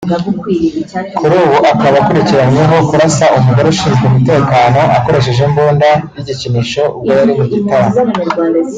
Kuri ubu akaba akurikiranweho kurasa umugore ushinzwe umutekano akoresheje imbunda y'igikinisho ubwo yari mu gitaramo